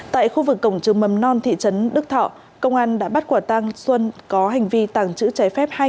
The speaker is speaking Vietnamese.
tại khu vực cổng trường mầm non thị trấn đức thọ công an đã bắt quả tăng xuân có hành vi tàng trữ trái phép